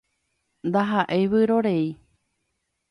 Ndaha'éi vyrorei.